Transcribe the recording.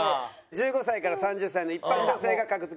１５歳から３０歳の一般女性が格付けしたワースト３。